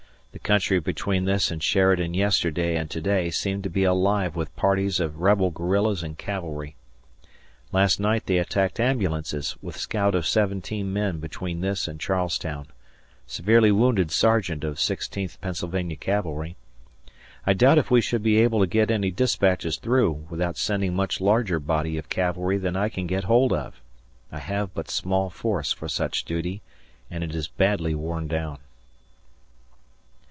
The country between this and Sheridan yesterday and to day seemed to be alive with parties of Rebel guerillas and cavalry. Last night they attacked ambulances with scout of seventeen men between this and Charles Town; severely wounded Sergeant of Sixteenth Pennsylvania Cavalry. I doubt if we should be able to get any dispatches through without sending much larger body of cavalry than I can get hold of. I have but small force for such duty, and it is badly worn down.